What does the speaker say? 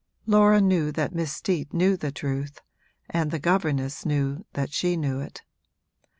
Laura knew that Miss Steet knew the truth, and the governess knew that she knew it.